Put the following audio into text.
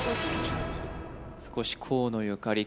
少し河野ゆかり